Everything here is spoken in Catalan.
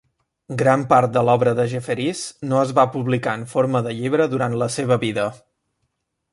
Gran part de l'obra de Jefferies no es va publicar en forma de llibre durant la seva vida.